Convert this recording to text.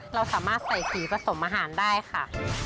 เราสามารถใส่สีผสมอาหารได้ค่ะ